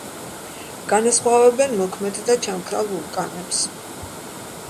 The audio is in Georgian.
განასხვავებენ მოქმედ და ჩამქრალ ვულკანებს.